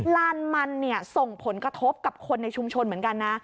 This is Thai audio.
ลานมันเนี่ยส่งผลกระทบกับคนในชุมชนเหมือนกันนะ